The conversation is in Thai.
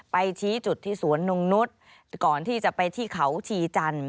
ชี้จุดที่สวนนงนุษย์ก่อนที่จะไปที่เขาชีจันทร์